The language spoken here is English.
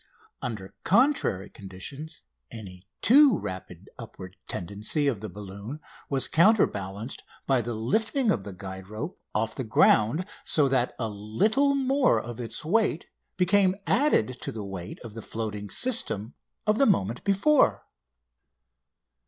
Under contrary conditions any too rapid upward tendency of the balloon was counterbalanced by the lifting of the guide rope off the ground, so that a little more of its weight became added to the weight of the floating system of the moment before.